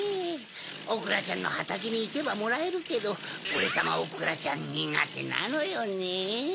おくらちゃんのはたけにいけばもらえるけどオレさまおくらちゃんにがてなのよね。